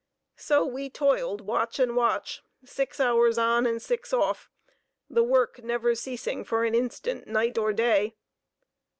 So we toiled watch and watch, six hours on and six off, the work never ceasing for an instant night or day.